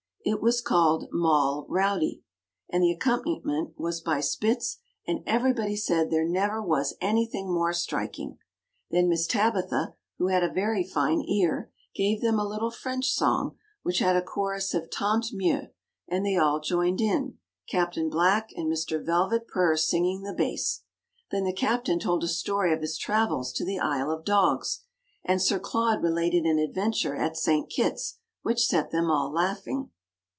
It was called Moll Rowdy, and the accompaniment was by Spitz, and everybody said that there never was anything more striking. Then Miss Tabitha, who had a very fine ear, gave them a little French song which had a chorus of Tant Mieux, and they all joined in, Captain Black and Mr. Velvet Purr singing the bass. Then the Captain told a story of his travels to the Isle of Dogs, and Sir Claude related an adventure at St. Kitts, which set them all laughing.